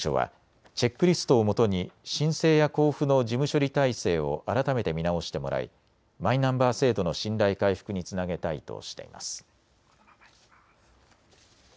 総務省はチェックリストをもとに申請や交付の事務処理体制を改めて見直してもらいマイナンバー制度の信頼回復につなげたいとしています。